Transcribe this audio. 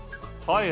はい。